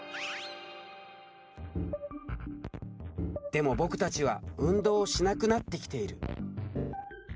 でも僕たちは運動をしなくなってきている。